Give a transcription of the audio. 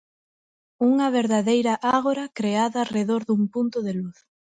Unha verdadeira ágora creada arredor dun punto de luz.